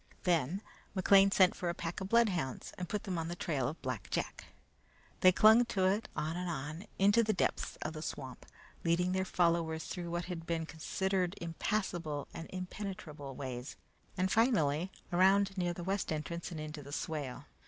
Then McLean sent for a pack of bloodhounds and put them on the trail of Black Jack. They clung to it, on and on, into the depths of the swamp, leading their followers through what had been considered impassable and impenetrable ways, and finally, around near the west entrance and into the swale.